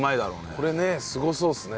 これねすごそうっすね。